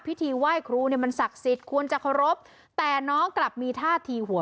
พิธีไหว้ครูเนี่ยมันศักดิ์สิทธิ์ควรจะเคารพแต่น้องกลับมีท่าทีหัว